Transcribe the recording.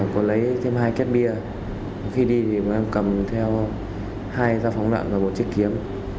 có lấy thêm hai két bia khi đi thì bọn em cầm theo hai dao phóng nặng và một chiếc kiếm